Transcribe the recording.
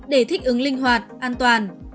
để thích ứng linh hoạt an toàn